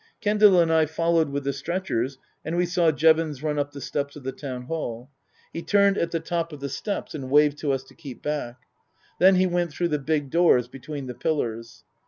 Kendal and I followed with the stretchers, and we saw Jevons run up the steps of the Town Hall. He turned at the top of the steps and waved to us to keep back. Then he went through the big doors between the pillars.